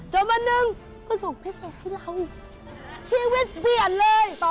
วันหนึ่งก็ส่งพิเศษให้เราชีวิตเปลี่ยนเลย